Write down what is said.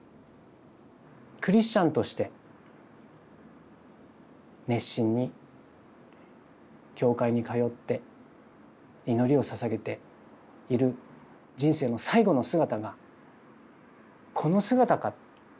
クリスチャンとして熱心に教会に通って祈りをささげている人生の最後の姿がこの姿か。